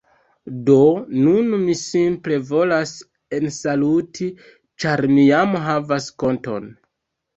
Do, nun mi simple volas ensaluti ĉar mi jam havas konton